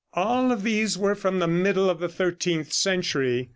All of these were from the middle of the thirteenth century.